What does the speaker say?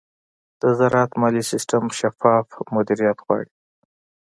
د زراعت مالي سیستم شفاف مدیریت غواړي.